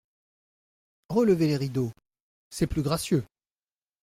Relevez les rideaux… c’est plus gracieux !